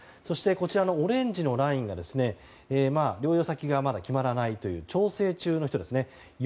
こちらのオレンジのラインは療養先がまだ決まらない調整中の人ですね。